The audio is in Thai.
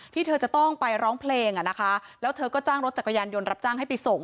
เธอจะต้องไปร้องเพลงอ่ะนะคะแล้วเธอก็จ้างรถจักรยานยนต์รับจ้างให้ไปส่ง